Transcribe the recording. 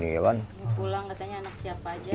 pulang katanya anak siapa aja